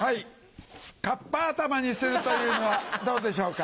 カッパ頭にするというのはどうでしょうか？